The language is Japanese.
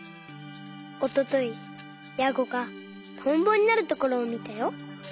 おとといヤゴがトンボになるところをみたよ。